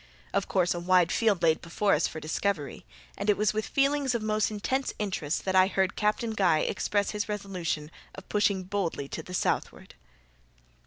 Of course a wide field lay before us for discovery, and it was with feelings of most intense interest that I heard Captain Guy express his resolution of pushing boldly to the southward.